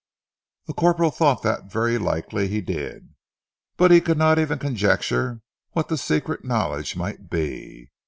The corporal thought that very likely he did, but could not even conjecture what the secret knowledge might be.